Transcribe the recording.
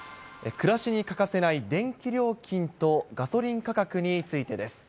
暮らしに欠かせない電気料金とガソリン価格についてです。